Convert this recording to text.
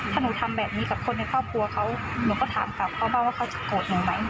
ถ้าหนูทำแบบนี้กับคนในครอบครัวเขาหนูก็ถามกลับเขาบ้างว่าเขาจะโกรธหนูไหม